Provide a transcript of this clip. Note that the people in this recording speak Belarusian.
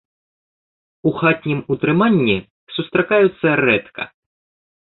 У хатнім утрыманні сустракаюцца рэдка.